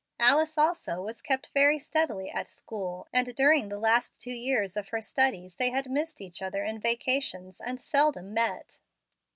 Alice also was kept very steadily at school, and during the last two years of her studies they had missed each other in vacations, and seldom met.